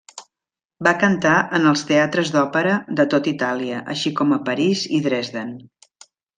Va cantar en els teatres d'òpera de tot Itàlia, així com a París i Dresden.